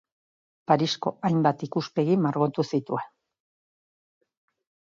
Parisko hainbat ikuspegi margotu zituen.